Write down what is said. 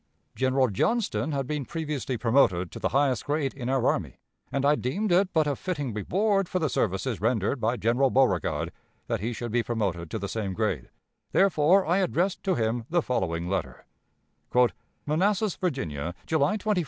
General Johnston had been previously promoted to the highest grade in our army, and I deemed it but a fitting reward for the services rendered by General Beauregard that he should be promoted to the same grade; therefore, I addressed to him the following letter: "Manassas, Virginia, _July 21, 1861.